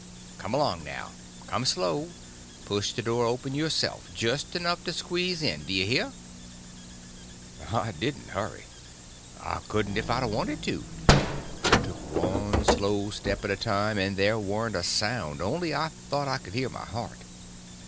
Come along now. Come slow; push the door open yourself—just enough to squeeze in, d' you hear?" I didn't hurry; I couldn't if I'd a wanted to. I took one slow step at a time and there warn't a sound, only I thought I could hear my heart.